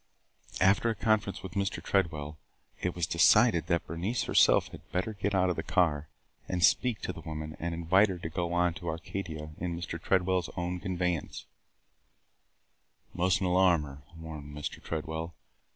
After a conference with Mr. Tredwell, it was decided that Bernice herself had better get out of the car and speak to the woman and invite her to go on to Arcadia in Mr. Tredwell's own conveyance. "We must n't alarm her," warned Mr. Tredwell.